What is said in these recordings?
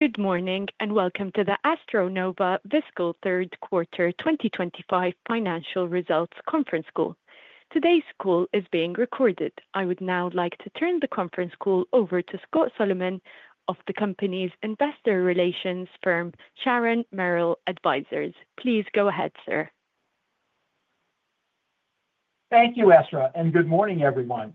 Good morning and welcome to the AstroNova Fiscal Third Quarter 2025 Financial Results Conference Call. Today's call is being recorded. I would now like to turn the conference call over to Scott Solomon of the company's investor relations firm, Sharon Merrill Advisors. Please go ahead, sir. Thank you, Astra, and good morning, everyone.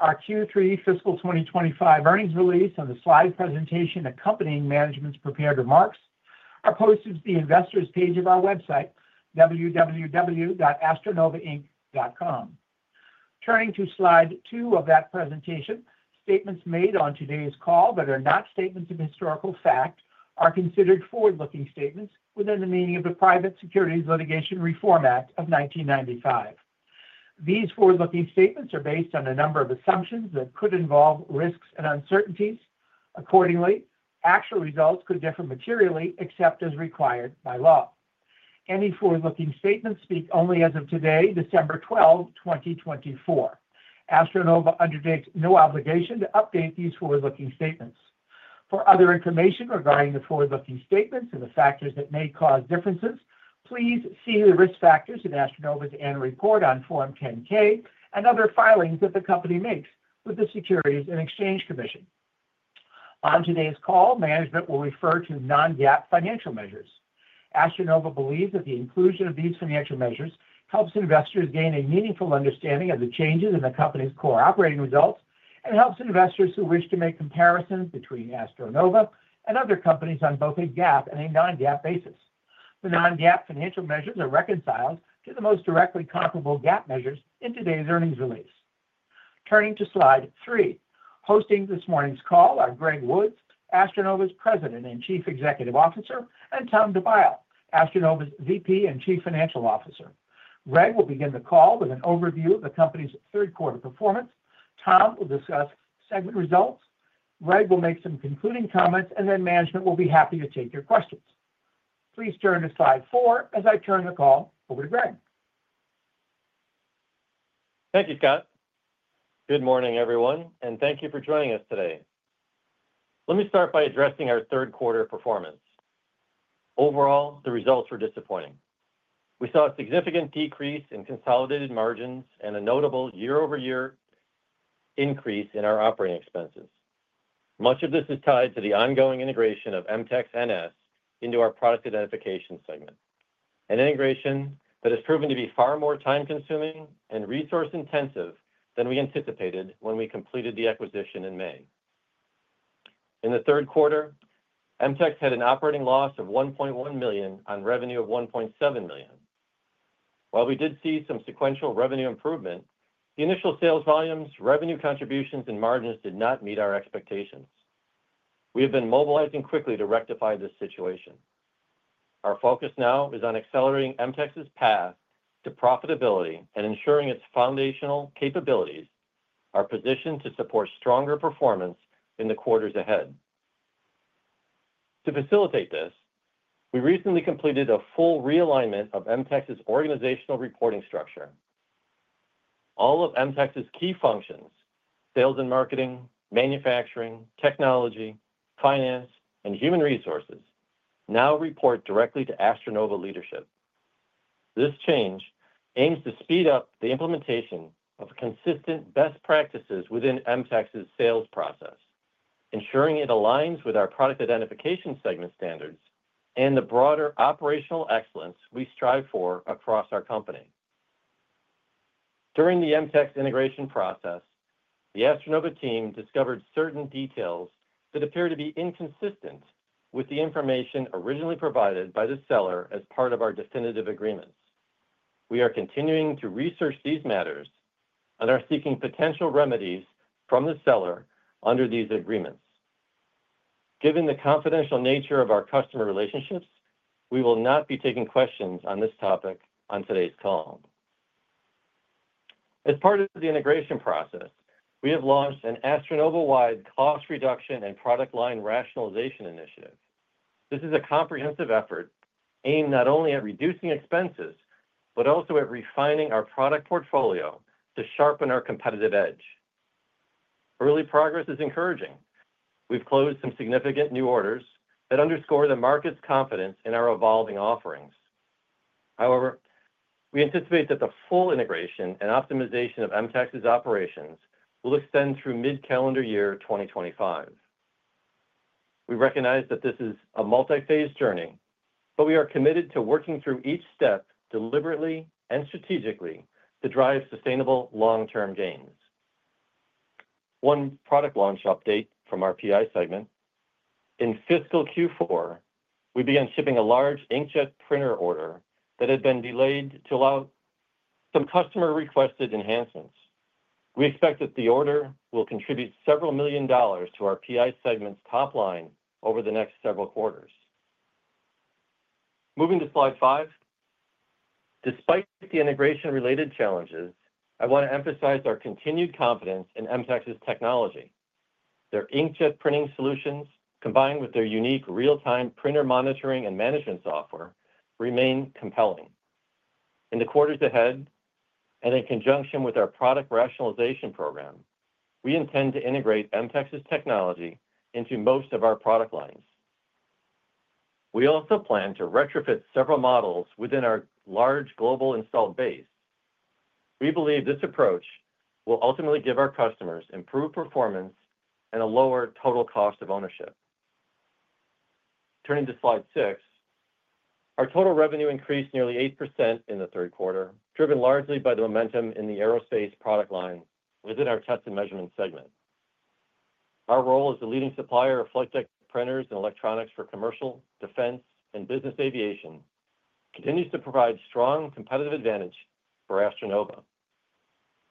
Our Q3 Fiscal 2025 earnings release and the slide presentation accompanying management's prepared remarks are posted to the investors' page of our website, www.astronovainc.com. Turning to slide two of that presentation, statements made on today's call that are not statements of historical fact are considered forward-looking statements within the meaning of the Private Securities Litigation Reform Act of 1995. These forward-looking statements are based on a number of assumptions that could involve risks and uncertainties. Accordingly, actual results could differ materially except as required by law. Any forward-looking statements speak only as of today, December 12, 2024. AstroNova undertakes no obligation to update these forward-looking statements. For other information regarding the forward-looking statements and the factors that may cause differences, please see the risk factors in AstroNova's annual report on Form 10-K and other filings that the company makes with the Securities and Exchange Commission. On today's call, management will refer to non-GAAP financial measures. AstroNova believes that the inclusion of these financial measures helps investors gain a meaningful understanding of the changes in the company's core operating results and helps investors who wish to make comparisons between AstroNova and other companies on both a GAAP and a non-GAAP basis. The non-GAAP financial measures are reconciled to the most directly comparable GAAP measures in today's earnings release. Turning to slide three, hosting this morning's call are Greg Woods, AstroNova's President and Chief Executive Officer, and Tom DeByle, AstroNova's VP and Chief Financial Officer. Greg will begin the call with an overview of the company's third-quarter performance. Tom will discuss segment results. Greg will make some concluding comments, and then management will be happy to take your questions. Please turn to slide four as I turn the call over to Greg. Thank you, Scott. Good morning, everyone, and thank you for joining us today. Let me start by addressing our third-quarter performance. Overall, the results were disappointing. We saw a significant decrease in consolidated margins and a notable year-over-year increase in our operating expenses. Much of this is tied to the ongoing integration of MTEX NS into our Product Identification segment, an integration that has proven to be far more time-consuming and resource-intensive than we anticipated when we completed the acquisition in May. In the third quarter, MTEX had an operating loss of $1.1 million on revenue of $1.7 million. While we did see some sequential revenue improvement, the initial sales volumes, revenue contributions, and margins did not meet our expectations. We have been mobilizing quickly to rectify this situation. Our focus now is on accelerating MTEX's path to profitability and ensuring its foundational capabilities, our position to support stronger performance in the quarters ahead. To facilitate this, we recently completed a full realignment of MTEX's organizational reporting structure. All of MTEX's key functions (sales and marketing, manufacturing, technology, finance, and human resources) now report directly to AstroNova leadership. This change aims to speed up the implementation of consistent best practices within MTEX's sales process, ensuring it aligns with our Product Identification segment standards and the broader operational excellence we strive for across our company. During the MTEX integration process, the AstroNova team discovered certain details that appear to be inconsistent with the information originally provided by the seller as part of our definitive agreements. We are continuing to research these matters and are seeking potential remedies from the seller under these agreements. Given the confidential nature of our customer relationships, we will not be taking questions on this topic on today's call. As part of the integration process, we have launched an AstroNova-wide cost reduction and product line rationalization initiative. This is a comprehensive effort aimed not only at reducing expenses but also at refining our product portfolio to sharpen our competitive edge. Early progress is encouraging. We've closed some significant new orders that underscore the market's confidence in our evolving offerings. However, we anticipate that the full integration and optimization of MTEX's operations will extend through mid-calendar year 2025. We recognize that this is a multi-phase journey, but we are committed to working through each step deliberately and strategically to drive sustainable long-term gains. One product launch update from our PI segment: in fiscal Q4, we began shipping a large inkjet printer order that had been delayed to allow some customer-requested enhancements. We expect that the order will contribute several million dollars to our PI segment's top line over the next several quarters. Moving to slide five, despite the integration-related challenges, I want to emphasize our continued confidence in MTEX's technology. Their inkjet printing solutions, combined with their unique real-time printer monitoring and management software, remain compelling. In the quarters ahead, and in conjunction with our product rationalization program, we intend to integrate MTEX's technology into most of our product lines. We also plan to retrofit several models within our large global installed base. We believe this approach will ultimately give our customers improved performance and a lower total cost of ownership. Turning to slide six, our total revenue increased nearly 8% in the third quarter, driven largely by the momentum in the aerospace product line within our Test and Measurement segment. Our role as the leading supplier of FlightDeck printers and electronics for commercial, defense, and business aviation continues to provide a strong competitive advantage for AstroNova.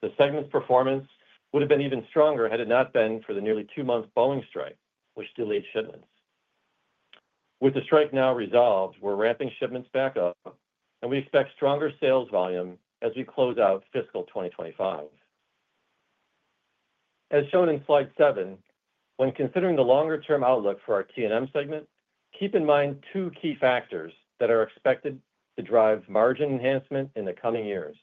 The segment's performance would have been even stronger had it not been for the nearly two-month Boeing strike, which delayed shipments. With the strike now resolved, we're ramping shipments back up, and we expect stronger sales volume as we close out fiscal 2025. As shown in slide seven, when considering the longer-term outlook for our T&M segment, keep in mind two key factors that are expected to drive margin enhancement in the coming years.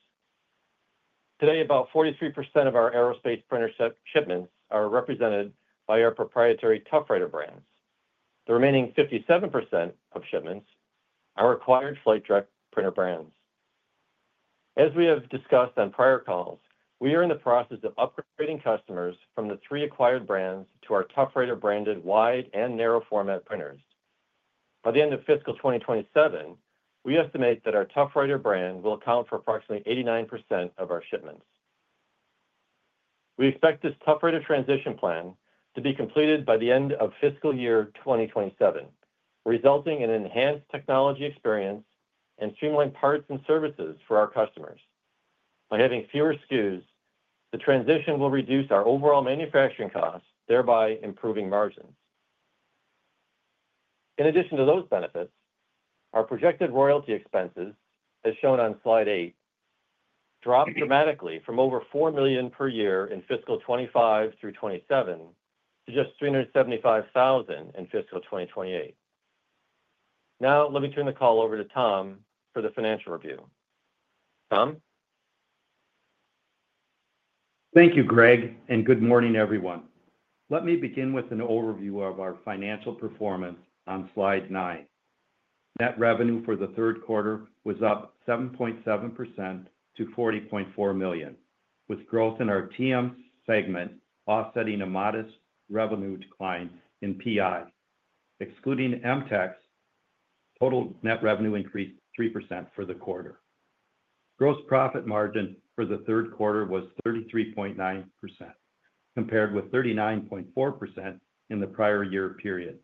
Today, about 43% of our aerospace printer shipments are represented by our proprietary ToughWriter brands. The remaining 57% of shipments are acquired FlightDeck printer brands. As we have discussed on prior calls, we are in the process of upgrading customers from the three acquired brands to our ToughWriter-branded wide and narrow-format printers. By the end of fiscal 2027, we estimate that our ToughWriter brand will account for approximately 89% of our shipments. We expect this ToughWriter transition plan to be completed by the end of fiscal year 2027, resulting in an enhanced technology experience and streamlined parts and services for our customers. By having fewer SKUs, the transition will reduce our overall manufacturing costs, thereby improving margins. In addition to those benefits, our projected royalty expenses, as shown on slide eight, dropped dramatically from over $4 million per year in fiscal 2025 through 2027 to just $375,000 in fiscal 2028. Now, let me turn the call over to Tom for the financial review. Tom? Thank you, Greg, and good morning, everyone. Let me begin with an overview of our financial performance on slide nine. Net revenue for the third quarter was up 7.7% to $40.4 million, with growth in our T&M segment offsetting a modest revenue decline in PI. Excluding MTEX, total net revenue increased 3% for the quarter. Gross profit margin for the third quarter was 33.9%, compared with 39.4% in the prior year period.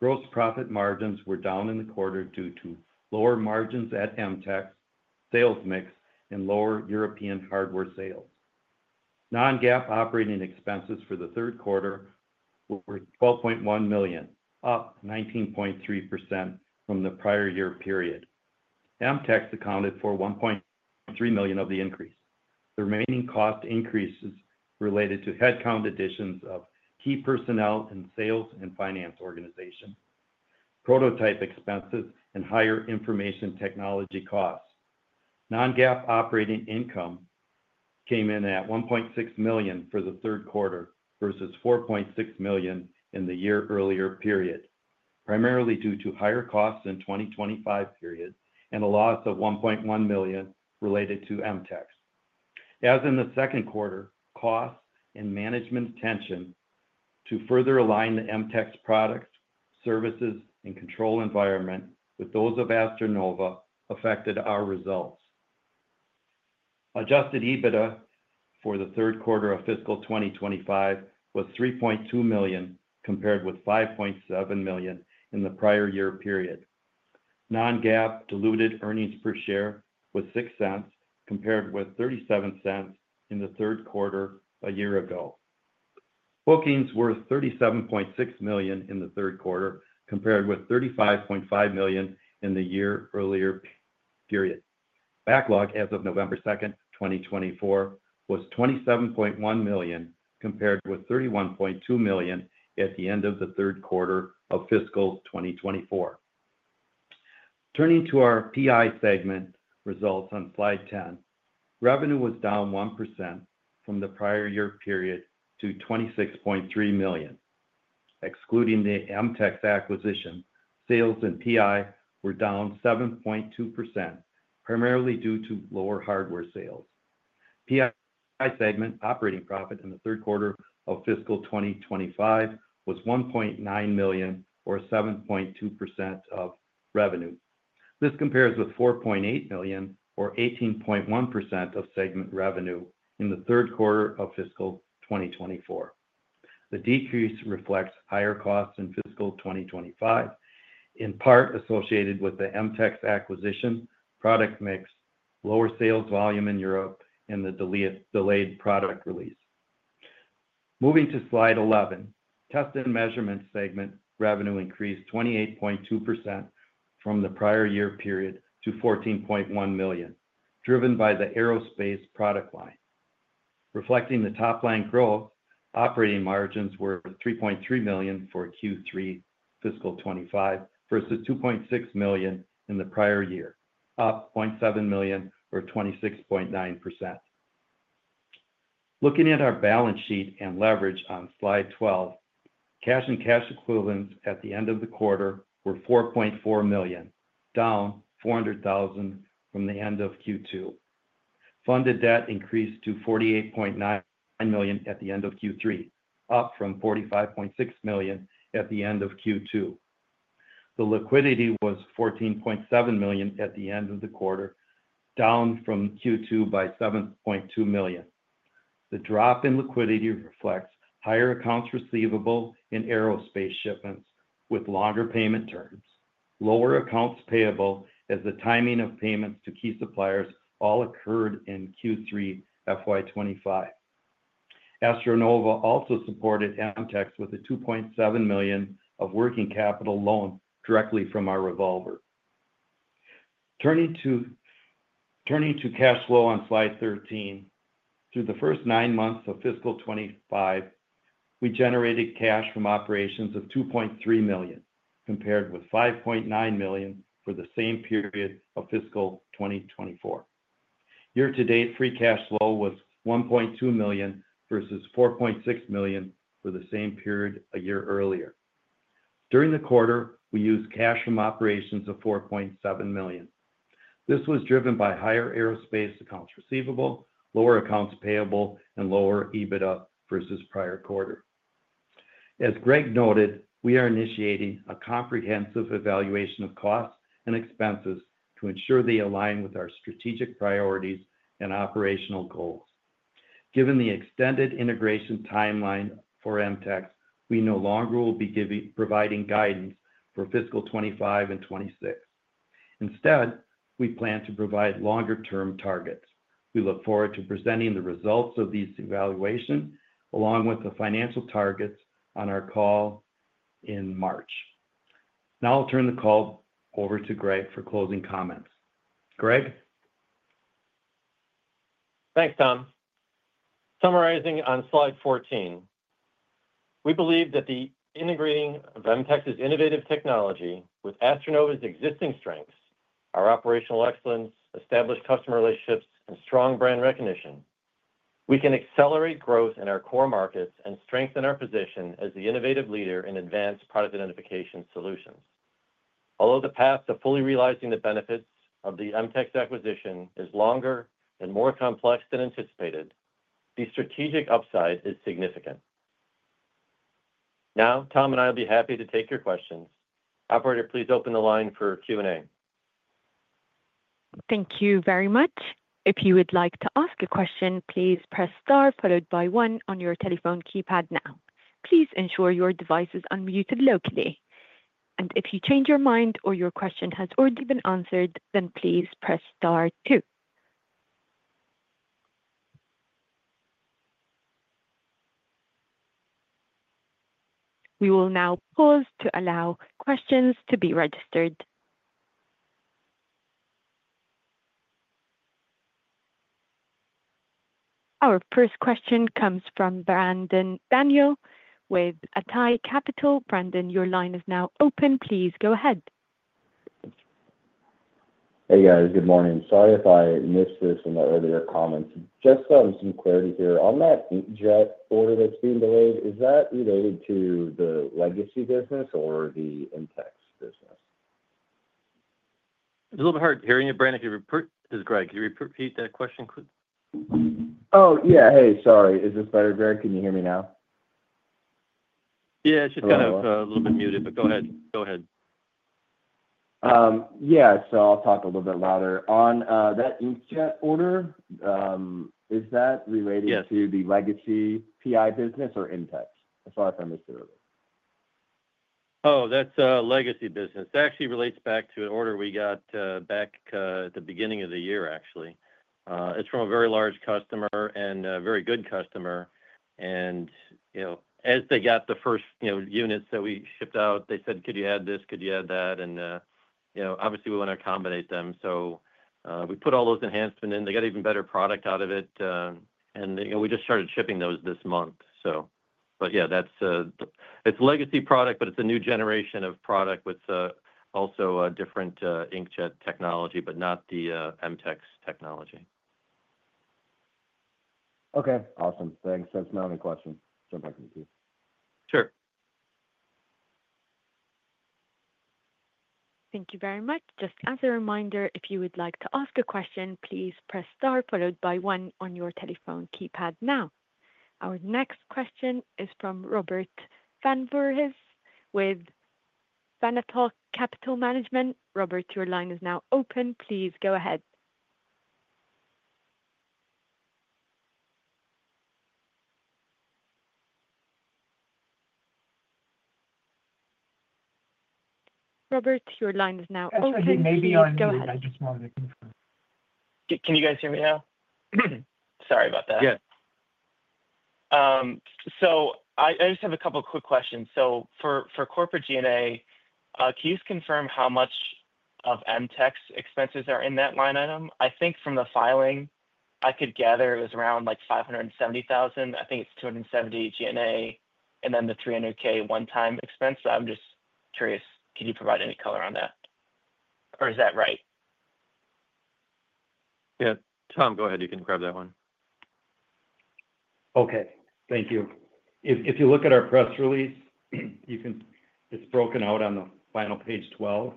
Gross profit margins were down in the quarter due to lower margins at MTEX, sales mix, and lower European hardware sales. Non-GAAP operating expenses for the third quarter were $12.1 million, up 19.3% from the prior year period. MTEX accounted for $1.3 million of the increase. The remaining cost increase is related to headcount additions of key personnel in sales and finance organization, prototype expenses, and higher information technology costs. Non-GAAP operating income came in at $1.6 million for the third quarter versus $4.6 million in the year earlier period, primarily due to higher costs in the 2025 period and a loss of $1.1 million related to MTEX. As in the second quarter, costs and management attention to further align the MTEX products, services, and control environment with those of AstroNova affected our results. Adjusted EBITDA for the third quarter of fiscal 2025 was $3.2 million, compared with $5.7 million in the prior year period. Non-GAAP diluted earnings per share was $0.06, compared with $0.37 in the third quarter a year ago. Bookings were $37.6 million in the third quarter, compared with $35.5 million in the year earlier period. Backlog as of November 2, 2024, was $27.1 million, compared with $31.2 million at the end of the third quarter of fiscal 2024. Turning to our PI segment results on slide 10, revenue was down 1% from the prior year period to $26.3 million. Excluding the MTEX acquisition, sales and PI were down 7.2%, primarily due to lower hardware sales. PI segment operating profit in the third quarter of fiscal 2025 was $1.9 million, or 7.2% of revenue. This compares with $4.8 million, or 18.1% of segment revenue in the third quarter of fiscal 2024. The decrease reflects higher costs in fiscal 2025, in part associated with the MTEX acquisition, product mix, lower sales volume in Europe, and the delayed product release. Moving to slide 11, Test and Measurement segment revenue increased 28.2% from the prior year period to $14.1 million, driven by the aerospace product line. Reflecting the top line growth, operating margins were $3.3 million for Q3 fiscal 2025 versus $2.6 million in the prior year, up $0.7 million, or 26.9%. Looking at our balance sheet and leverage on slide 12, cash and cash equivalents at the end of the quarter were $4.4 million, down $400,000 from the end of Q2. Funded debt increased to $48.9 million at the end of Q3, up from $45.6 million at the end of Q2. The liquidity was $14.7 million at the end of the quarter, down from Q2 by $7.2 million. The drop in liquidity reflects higher accounts receivable in aerospace shipments with longer payment terms, lower accounts payable as the timing of payments to key suppliers all occurred in Q3 FY25. AstroNova also supported MTEX with a $2.7 million of working capital loan directly from our revolver. Turning to cash flow on slide 13, through the first nine months of fiscal 2025, we generated cash from operations of $2.3 million, compared with $5.9 million for the same period of fiscal 2024. Year-to-date free cash flow was $1.2 million versus $4.6 million for the same period a year earlier. During the quarter, we used cash from operations of $4.7 million. This was driven by higher aerospace accounts receivable, lower accounts payable, and lower EBITDA versus prior quarter. As Greg noted, we are initiating a comprehensive evaluation of costs and expenses to ensure they align with our strategic priorities and operational goals. Given the extended integration timeline for MTEX, we no longer will be providing guidance for fiscal 2025 and 2026. Instead, we plan to provide longer-term targets. We look forward to presenting the results of this evaluation along with the financial targets on our call in March. Now I'll turn the call over to Greg for closing comments. Greg? Thanks, Tom. Summarizing on slide fourteen, we believe that the integrating of MTEX's innovative technology with AstroNova's existing strengths, our operational excellence, established customer relationships, and strong brand recognition, we can accelerate growth in our core markets and strengthen our position as the innovative leader in advanced product identification solutions. Although the path to fully realizing the benefits of the MTEX acquisition is longer and more complex than anticipated, the strategic upside is significant. Now, Tom and I will be happy to take your questions. Operator, please open the line for Q&A. Thank you very much. If you would like to ask a question, please press * followed by 1 on your telephone keypad now. Please ensure your device is unmuted locally, and if you change your mind or your question has already been answered, then please press * too. We will now pause to allow questions to be registered. Our first question comes from Brandon Daniel with Atai Capital. Brandon, your line is now open. Please go ahead. Hey, guys. Good morning. Sorry if I missed this in the earlier comments. Just some clarity here. On that inkjet order that's being delayed, is that related to the legacy business or the MTEX business? It's a little bit hard hearing you, Brandon. This is Greg. Could you repeat that question? Oh, yeah. Hey, sorry. Is this better, Greg? Can you hear me now? Yeah. It's just kind of a little bit muted, but go ahead. Go ahead. Yeah. So I'll talk a little bit louder. On that inkjet order, is that related to the legacy PI business or MTEX, as far as I understood it? Oh, that's a legacy business. That actually relates back to an order we got back at the beginning of the year, actually. It's from a very large customer and a very good customer. And as they got the first units that we shipped out, they said, "Could you add this? Could you add that?" And obviously, we want to accommodate them. So we put all those enhancements in. They got an even better product out of it. And we just started shipping those this month, so. But yeah, it's a legacy product, but it's a new generation of product with also a different inkjet technology, but not the MTEX technology. Okay. Awesome. Thanks. That's not a question. Jump back in the queue. Sure. Thank you very much. Just as a reminder, if you would like to ask a question, please press * followed by 1 on your telephone keypad now. Our next question is from Robert Van Voorhis with Vanatoc Capital Management. Robert, your line is now open. Please go ahead. Robert, your line is now open. Hey, maybe on. Go ahead. I just wanted to confirm. Can you guys hear me now? Sorry about that. Yeah. So I just have a couple of quick questions. So for corporate G&A, can you just confirm how much of MTEX expenses are in that line item? I think from the filing, I could gather it was around $570,000. I think it's $270,000 G&A and then the $300,000 one-time expense. I'm just curious, can you provide any color on that? Or is that right? Yeah. Tom, go ahead. You can grab that one. Okay. Thank you. If you look at our press release, it's broken out on the final page 12,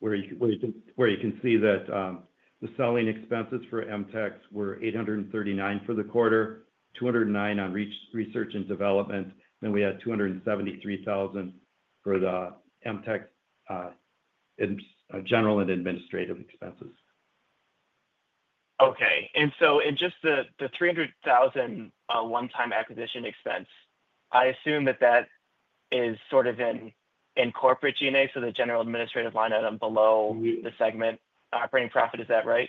where you can see that the selling expenses for MTEX were $839 for the quarter, $209 on research and development, and we had $273,000 for the MTEX general and administrative expenses. Okay, and so in just the $300,000 one-time acquisition expense, I assume that that is sort of in corporate G&A, so the general administrative line item below the segment operating profit. Is that right?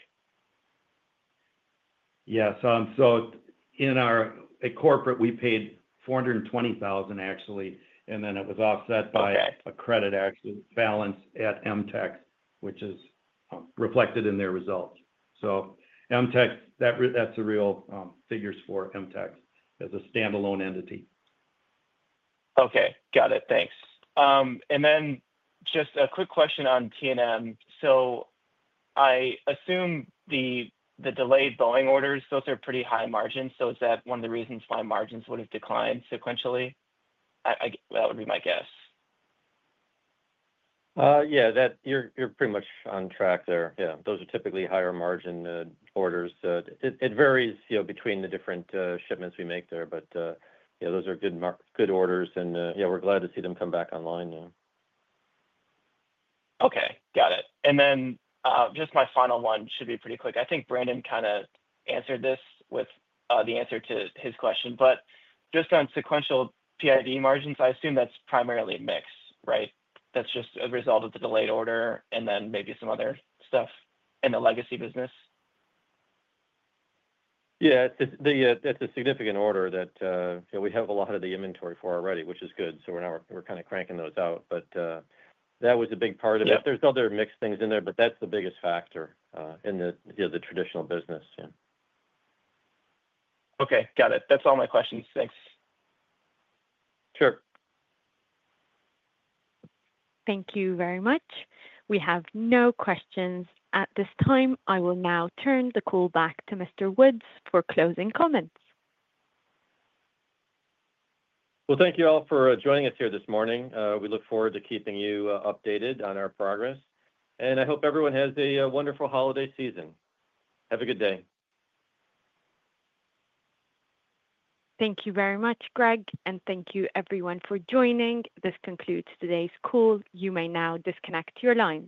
Yeah. So in our corporate, we paid $420,000, actually, and then it was offset by a credit balance at MTEX, which is reflected in their results. So that's the real figures for MTEX as a standalone entity. Okay. Got it. Thanks. And then just a quick question on T&M. So I assume the delayed billing orders, those are pretty high margins. So is that one of the reasons why margins would have declined sequentially? That would be my guess. Yeah. You're pretty much on track there. Yeah. Those are typically higher margin orders. It varies between the different shipments we make there, but those are good orders, and yeah, we're glad to see them come back online. Okay. Got it, and then just my final one should be pretty quick. I think Brandon kind of answered this with the answer to his question, but just on sequential PI margins, I assume that's primarily a mix, right? That's just a result of the delayed order and then maybe some other stuff in the legacy business? Yeah. That's a significant order that we have a lot of the inventory for already, which is good. So we're kind of cranking those out. But that was a big part of it. There's other mixed things in there, but that's the biggest factor in the traditional business. Okay. Got it. That's all my questions. Thanks. Sure. Thank you very much. We have no questions at this time. I will now turn the call back to Mr. Woods for closing comments. Thank you all for joining us here this morning. We look forward to keeping you updated on our progress. I hope everyone has a wonderful holiday season. Have a good day. Thank you very much, Greg. And thank you, everyone, for joining. This concludes today's call. You may now disconnect your line.